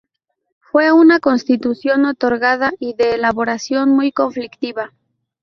Fue una constitución otorgada y de elaboración muy conflictiva.